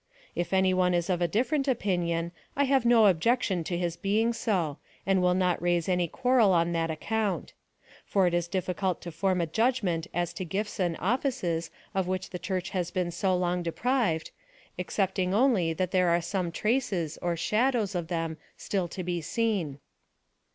If any one is of a different opinion, I have no objection to his being so, and will not raise any quarrel on that account. For it is difficult to form a judgment as to gifts and offices of which the Church has been so long deprived, excepting only that there are some traces, or shadows of them still to be seen.